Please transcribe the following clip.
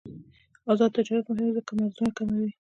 آزاد تجارت مهم دی ځکه چې مرزونه کموي.